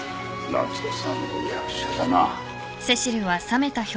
夏雄さんも役者だな。